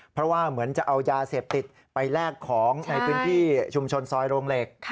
เพราะว่าเหมือนจะเอายาเสพติดไปแลกของในพื้นที่ชุมชนซอยโรงเหล็ก